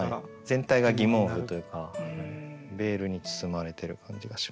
全体が疑問符というかベールに包まれてる感じがします。